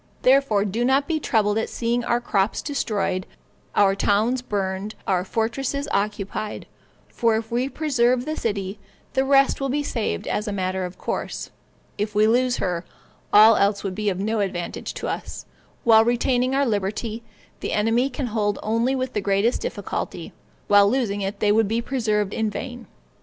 Therefore do not be troubled at seeing our crops destroyed, our towns burned, our fortresses occupied; for if we preserve the city, the rest will be saved as a matter of course; if we lose her, all else would be of no advantage to us; for while retaining our liberty, the enemy can hold them only with the greatest difficulty, while losing it they would be preserved in vain.